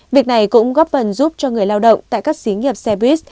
việc này cũng góp phần giúp cho người lao động tại các xí nghiệp xe buýt